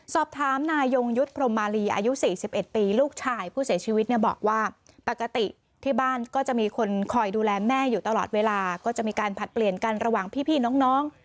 สอบถามนายยงยุทธ์พรมมาลีอายุ๔๑ปีลูกชายผู้เสียชีวิตเนี่ยบอกว่าปกติที่บ้านก็จะมีคนคอยดูแลแม่อยู่ตลอดเวลาก็จะมีการผลัดเปลี่ยนกันระหว่างพี่น้อง